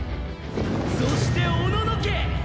そしておののけ！